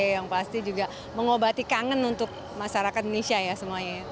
yang pasti juga mengobati kangen untuk masyarakat indonesia ya semuanya ya